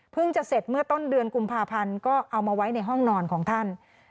จะเสร็จเมื่อต้นเดือนกุมภาพันธ์ก็เอามาไว้ในห้องนอนของท่าน